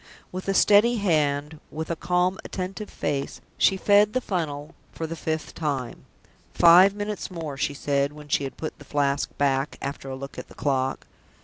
With a steady hand, with a calm, attentive face, she fed the funnel for the fifth time. "Five minutes more," she said, when she had put the Flask back, after a look at the clock.